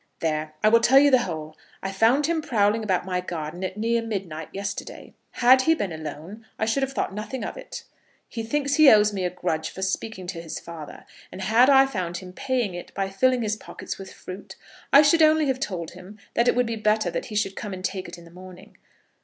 There; I will tell you the whole. I found him prowling about my garden at near midnight, yesterday. Had he been alone I should have thought nothing of it. He thinks he owes me a grudge for speaking to his father; and had I found him paying it by filling his pockets with fruit, I should only have told him that it would be better that he should come and take it in the morning."